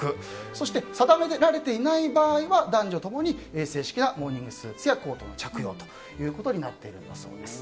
そして、定められていない場合は男女共に正式なモーニングスーツやコートの着用となっているんだそうです。